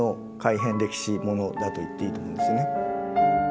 だと言っていいと思うんですよね。